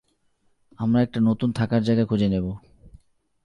আমরা একটা নতুন থাকার জায়গা খুঁজে নেবো।